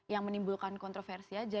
yang menimbulkan kontroversi aja